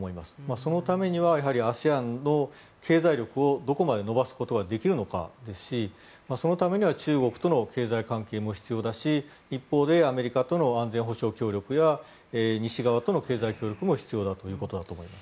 そのためにはＡＳＥＡＮの経済力をどこまで伸ばすことができるのかですしそのためには中国との経済関係も必要だし一方でアメリカとの安全保障協力や西側との経済協力も必要ということだと思います。